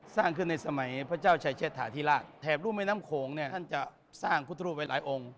สร้างขึ้นในสมัยพระเจ้าชายเชษฐาธิราชแถบรูปแม่น้ำโขงเนี่ยท่านจะสร้างพุทธรูปไว้หลายองค์